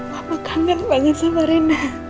bapak kangen banget sama rina